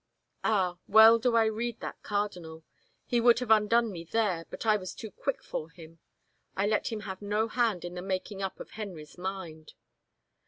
Ah, well do I read that cardinal. He would have undone me there, but I was too quick for him. I let him have no hand in the making up of Henry's mind!"